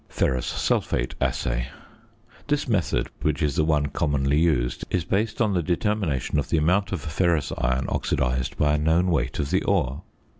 FERROUS SULPHATE ASSAY. This method, which is the one commonly used, is based on the determination of the amount of ferrous iron oxidised by a known weight of the ore.